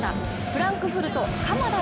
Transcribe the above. フランクフルト・鎌田